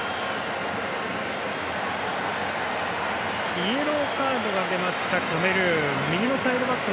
イエローカードが出ましたカメルーン。